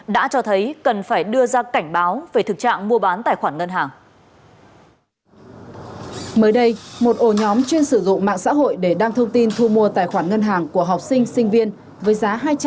đã cho thấy cần phải đưa ra cảnh báo về thực trạng mua bán tài khoản ngân hàng